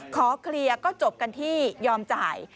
ขอเคลียร์ก็จบกันที่ยอมจ่าย